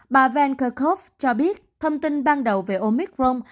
bà van kerkhove cho biết thông tin ban đầu về omicron